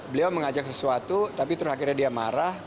beliau mengajak sesuatu tapi terakhirnya dia marah